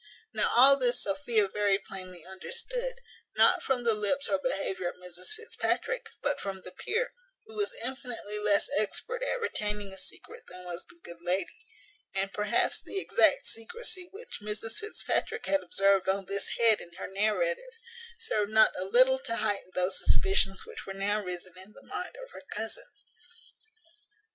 Now all this Sophia very plainly understood, not from the lips or behaviour of Mrs Fitzpatrick, but from the peer, who was infinitely less expert at retaining a secret than was the good lady; and perhaps the exact secrecy which Mrs Fitzpatrick had observed on this head in her narrative served not a little to heighten those suspicions which were now risen in the mind of her cousin.